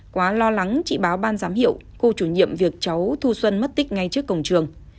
quá lo lắng chị báo ban giám hiệu khu chủ nhiệm việc cháu thu xuân mất tích ngay trước cổng trường